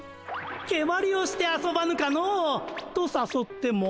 けまりをして遊ばぬかのう。とさそっても。